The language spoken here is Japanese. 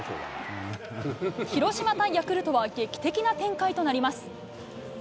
広島対ヤクルトは、劇的な展開となります。